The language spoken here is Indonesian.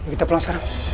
kita pulang sekarang